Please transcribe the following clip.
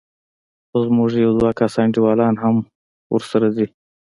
خو زموږ يو دوه کسه انډيوالان هم ورسره ځي.